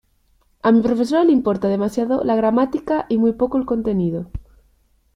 A mi profesora le importa demasiado la gramática y muy poco el contenido.